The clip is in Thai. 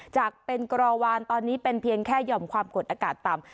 จากเป็นกรอวานตอนนี้เป็นเพียงแค่หย่อมความกดอากาศต่ำ